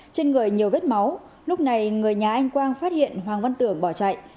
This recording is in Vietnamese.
trên người nhiều vết máu lúc này người nhà anh quang phát hiện hoàng văn tưởng bỏ chạy